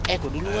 eh gua dulu lah